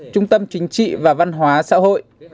trung tâm chính trị và văn hóa xã hội